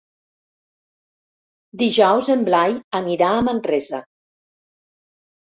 Dijous en Blai anirà a Manresa.